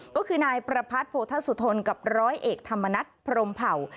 ก็คือนายประพัทธโพธสุทนกับร้อยเอกธรรมนัฐพรมเผ่า